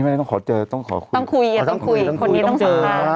ไม่ต้องขอเจอต้องขอคุยต้องคุยอย่างนี้ต้องสัมภาพต้องคุยต้องเจอ